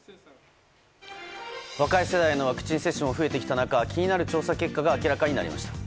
若い世代のワクチン接種も増えてきた中気になる調査結果が明らかになりました。